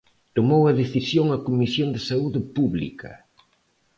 Tomou a decisión a Comisión de Saúde Pública.